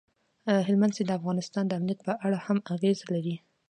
هلمند سیند د افغانستان د امنیت په اړه هم اغېز لري.